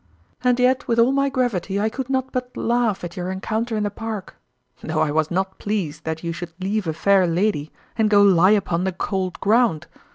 And yet with all my gravity I could not but laugh at your encounter in the Park, though I was not pleased that you should leave a fair lady and go lie upon the cold ground.